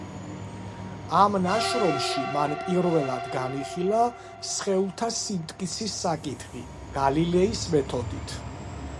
ამ ნაშრომში მან პირველად განიხილა სხეულთა სიმტკიცის საკითხი გალილეის მეთოდით.